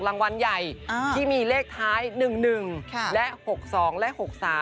รางวัลใหญ่ที่มีเลขท้าย๑๑และ๖๒และ๖๓